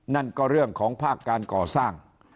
นั่นก็เรื่องของภาคการก่อสร้าง